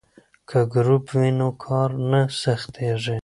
که ګروپ وي نو کار نه سختیږي.